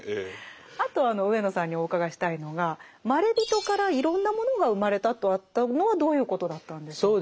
あと上野さんにお伺いしたいのがまれびとからいろんなものが生まれたとあったのはどういうことだったんでしょうか。